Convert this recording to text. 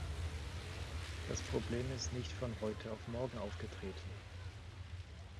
Das Problem ist nicht von heute auf morgen aufgetreten.